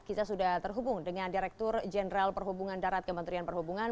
kita sudah terhubung dengan direktur jenderal perhubungan darat kementerian perhubungan